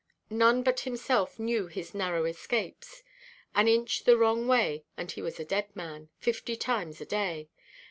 None but himself knew his narrow escapes; an inch the wrong way and he was a dead man, fifty times a day.